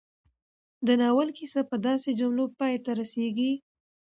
د ناول کيسه په داسې جملو پای ته رسېږي